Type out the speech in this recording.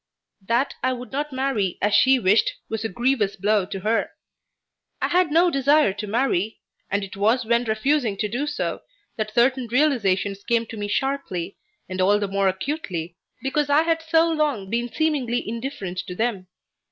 That I would not marry as she wished was a grievous blow to her. I had no desire to marry, and it was when refusing to do so that certain realizations came to me sharply, and all the more acutely, because I had so long been seemingly indifferent to them.